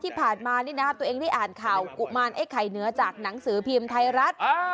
ที่ผ่านมานี่นะตัวเองได้อ่านข่าวกุมารไอ้ไข่เหนือจากหนังสือพิมพ์ไทยรัฐ